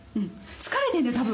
疲れてるんだよ多分。